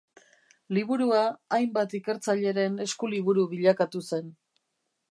Liburua hainbat ikertzaileren eskuliburu bilakatu zen.